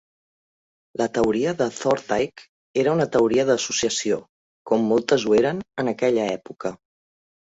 La teoria de Thorndike era una teoria d'associació, com moltes ho eren en aquella època.